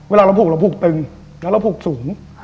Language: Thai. เวลาเราผูกเราผูกตึงแล้วเราผูกสูง